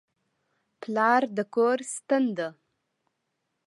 پلار د کور ستن ده.